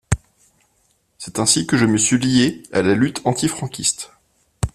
C'est ainsi que je me suis lié à la lutte anti-franquiste.